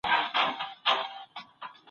حکومت انټرنیټ نه سانسور کاوه.